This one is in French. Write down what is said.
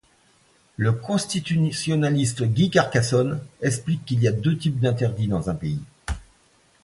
Le constitutionnaliste Guy Carcassonne explique qu'il y a deux types d'interdit dans un pays.